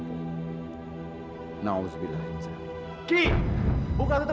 orang ajar cik cokro